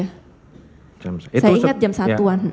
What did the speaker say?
saya ingat jam satu an